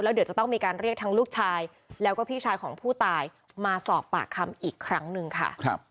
เดี๋ยวจะต้องมีการเรียกทั้งลูกชายแล้วก็พี่ชายของผู้ตายมาสอบปากคำอีกครั้งหนึ่งค่ะ